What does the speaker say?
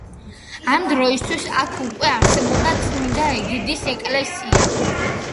ამ დროისათვის, აქ უკვე არსებობდა წმინდა ეგიდის ეკლესია.